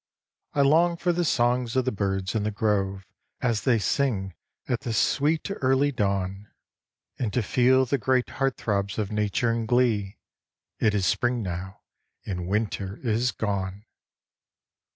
I long for the songs of the birds in the grove, As they sing, at the sweet early dawn, And to feel the great heart throbs of nature in glee— It is Spring now, and Winter is gone.